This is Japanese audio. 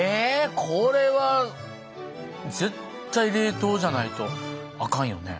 これは絶対冷凍じゃないとあかんよね。